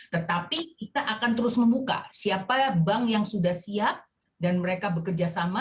tetapi kita akan terus membuka siapa bank yang sudah siap dan mereka bekerja sama